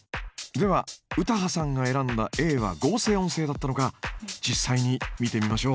では詩羽さんが選んだＡは合成音声だったのか実際に見てみましょう。